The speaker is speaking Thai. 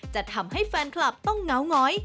จะทำให้แฟนคลับต้องเหงาหงอย